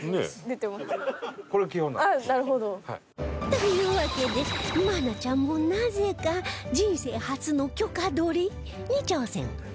というわけで愛菜ちゃんもなぜか人生初の許可取り！？に挑戦